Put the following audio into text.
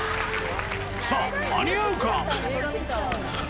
さあ、間に合うか？